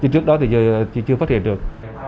trước đó thì chưa phát hiện được